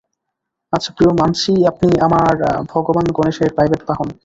আচ্ছা প্রিয়, মানছি আপনি আমার ভগবান গণেশের প্রাইভেট বাহন।